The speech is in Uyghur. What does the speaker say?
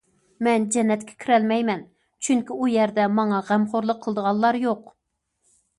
« مەن جەننەتكە كىرەلمەيمەن، چۈنكى ئۇ يەردە ماڭا غەمخورلۇق قىلىدىغانلار يوق».